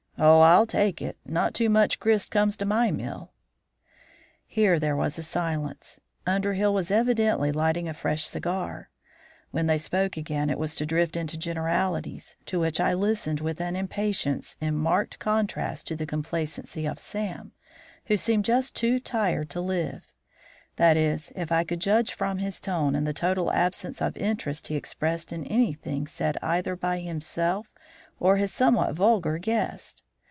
Oh, I'll take it. Not too much grist comes to my mill." Here there was a silence. Underhill was evidently lighting a fresh cigar. When they spoke again it was to drift into generalities, to which I listened with an impatience in marked contrast to the complacency of Sam, who seemed just too tired to live; that is, if I could judge from his tone and the total absence of interest he expressed in anything said either by himself or his somewhat vulgar guest.